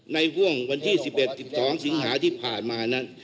ห่วงวันที่๑๑๑๒สิงหาที่ผ่านมานั้น